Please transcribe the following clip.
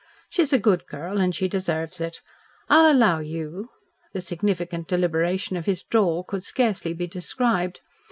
She's a good girl and she deserves it. I'll allow you " The significant deliberation of his drawl could scarcely be described.